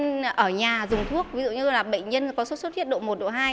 nên ở nhà dùng thuốc ví dụ như là bệnh nhân có xuất xuất huyết độ một độ hai